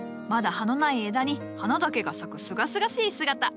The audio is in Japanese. まだ葉のない枝に花だけが咲くすがすがしい姿。